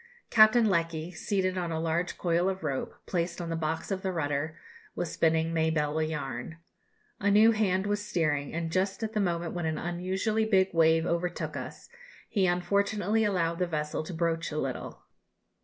Captain Lecky, seated on a large coil of rope, placed on the box of the rudder, was spinning Mabelle a yarn. A new hand was steering, and just at the moment when an unusually big wave overtook us, he unfortunately allowed the vessel to broach to a little.